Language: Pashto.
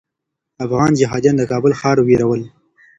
افغان جهاديان د کابل ښار ویرول.